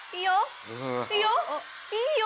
いいよ！